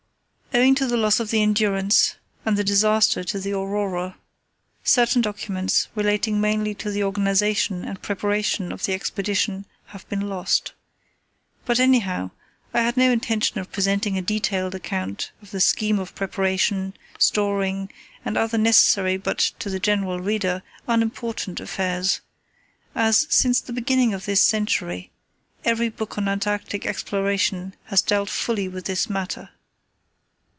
Owing to the loss of the Endurance and the disaster to the Aurora, certain documents relating mainly to the organization and preparation of the Expedition have been lost; but, anyhow, I had no intention of presenting a detailed account of the scheme of preparation, storing, and other necessary but, to the general reader, unimportant affairs, as since the beginning of this century, every book on Antarctic exploration has dealt fully with this matter.